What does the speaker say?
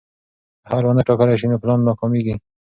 که حل ونه ټاکل شي نو پلان ناکامېږي.